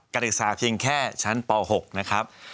กฎิกาเพียงแค่ชั้นป๖นะครับ